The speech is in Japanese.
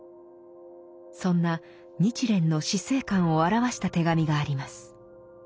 そんな日蓮の死生観を表した手紙があります。